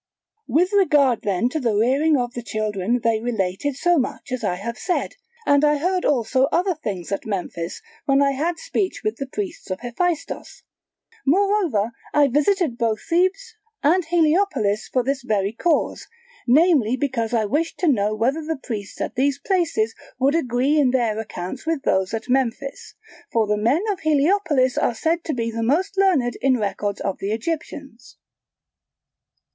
With regard then to the rearing of the children they related so much as I have said: and I heard also other things at Memphis when I had speech with the priests of Hephaistos. Moreover I visited both Thebes and Heliopolis for this very cause, namely because I wished to know whether the priests at these places would agree in their accounts with those at Memphis; for the men of Heliopolis are said to be the most learned in records of the Egyptians.